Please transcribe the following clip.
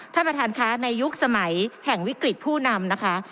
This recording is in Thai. ท่านประธานค่ะในยุคสมัยแห่งวิกฤตผู้นำนะคะ